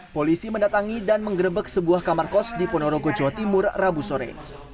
polisi mendatangi dan menggerebek sebuah kamar kos di ponorogo jawa timur rabu sore